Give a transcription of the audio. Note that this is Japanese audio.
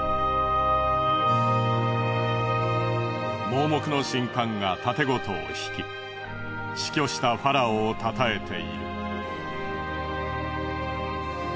盲目の神官が竪琴を弾き死去したファラオをたたえている。